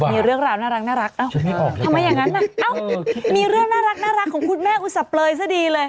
มีเรื่องราวน่ารักทำไมอย่างนั้นมีเรื่องน่ารักของคุณแม่อุสเปลยซะดีเลย